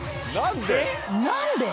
何で？